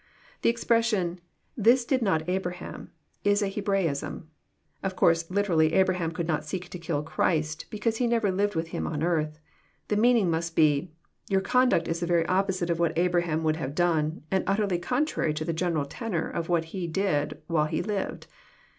The expression " this did • not Abraham " is a Hebraism. Of course literally Abraham could not "seek to kill" Christ, because he never lived with Him on earth. The meaning must be " your conduct is the very opposite of what Abraham would have done, and utterly contrary to the general tenor of what he did while he lived."